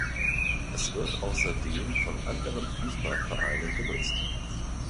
Es wird außerdem von anderen Fußballvereinen genutzt.